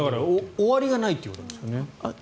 終わりがないということですよね。